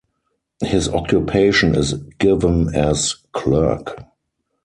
His occupation is given as "clerk".